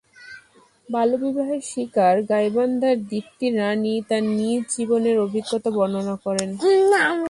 বাল্যবিবাহের শিকার গাইবান্ধার দীপ্তি রানী তাঁর নিজ জীবনের অভিজ্ঞতা বর্ণনা করেন।